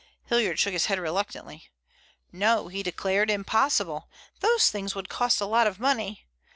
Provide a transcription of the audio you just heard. Hilliard shook his head reluctantly. "No," he declared. "Impossible. Those things would cost a lot of money.